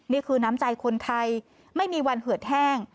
นี่คือน้ำใจคนไทยไม่มีวันเหือดแห้ง